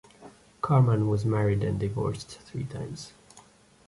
Carman was married and divorced three times.